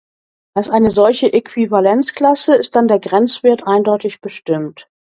Als eine solche Äquivalenzklasse ist dann der Grenzwert eindeutig bestimmt.